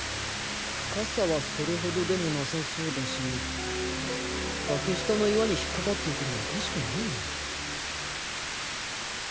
深さはそれほどでもなさそうだし崖下の岩に引っかかっていてもおかしくないのに